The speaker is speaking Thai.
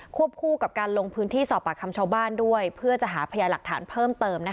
คู่กับการลงพื้นที่สอบปากคำชาวบ้านด้วยเพื่อจะหาพยาหลักฐานเพิ่มเติม